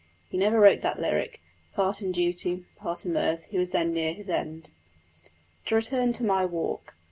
He never wrote that lyric, "part in duty, part in mirth"; he was then near his end. To return to my walk.